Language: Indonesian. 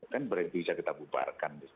kan berarti bisa kita bubarkan di situ